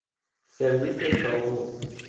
سرویس چاقو